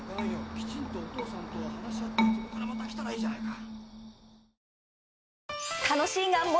きちんとお父さんと話し合ってそれからまた来たらいいじゃないか。